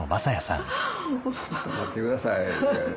「ちょっと待ってください」って。